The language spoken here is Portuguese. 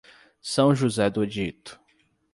São José do Egito